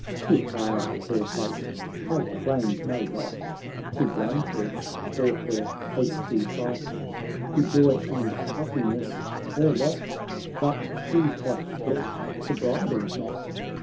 Too hard her fate— I claim no right To blame her for her hasty flight ; Be joy and happiness her lot !— But she hath lied the bridal knot.